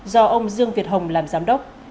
do ông dương việt hồng làm giám đốc